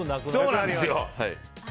そうなんですよ。